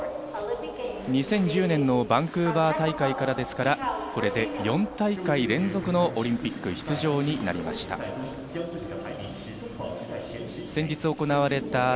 ２０１０年のバンクーバー大会からですから、これで４大会連続のオリンピック出場になりました。